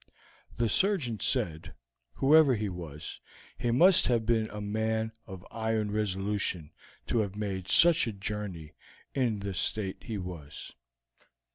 The surgeon said, whoever he was, he must have been a man of iron resolution to have made such a journey in the state he was.